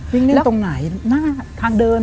วิ่งเล่นตรงไหนทางเดินไหม